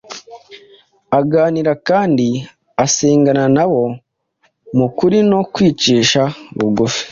aganira kandi asengana nabo mu kuri no kwicisha bugufi.